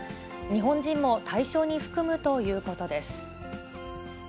日本人も対象に含むということです。